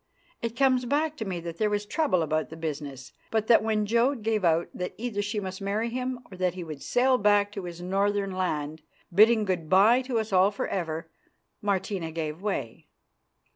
It comes back to me that there was trouble about the business, but that when Jodd gave out that either she must marry him or that he would sail back to his northern land, bidding good bye to us all for ever, Martina gave way.